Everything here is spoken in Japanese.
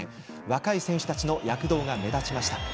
若い選手たちの躍動が目立ちました。